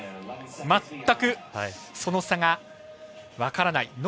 まったくその差が分からない。